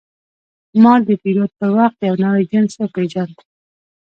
ما د پیرود پر وخت یو نوی جنس وپېژاند.